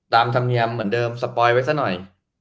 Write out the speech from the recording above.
ธรรมเนียมเหมือนเดิมสปอยไว้ซะหน่อย